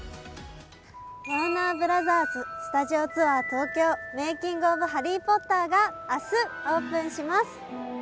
ワーナーブラザーススタジオツアー東京メイキング・オブ・ハリー・ポッターが明日、オープンします。